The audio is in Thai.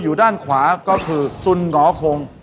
อยู่ด้านขวาก็คือสุนหงอคง